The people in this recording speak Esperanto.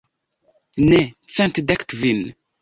Ne, cent dek kvin.